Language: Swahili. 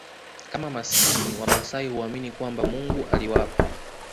kama maskini Wamasai huamini kwamba Mungu aliwapa